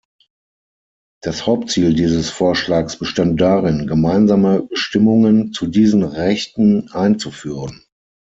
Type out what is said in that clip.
Das Hauptziel dieses Vorschlags bestand darin, gemeinsame Bestimmungen zu diesen Rechten einzuführen.